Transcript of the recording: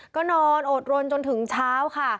ก็นอนอดรนจนถึงเช้าค่ะ